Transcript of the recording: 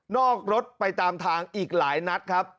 นอกรถไปตามทางอีกหลายนัด